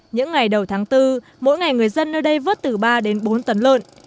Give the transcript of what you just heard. những ngày đầu tháng bốn mỗi ngày người dân nơi đây vớt từ ba đến bốn tấn lợn